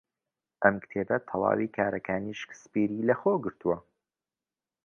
ئەم کتێبە تەواوی کارەکانی شکسپیری لەخۆ گرتووە.